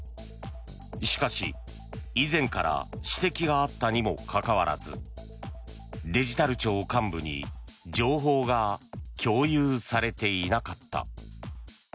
しかし、以前から指摘があったにもかかわらずデジタル庁幹部に情報が共有されていなかった。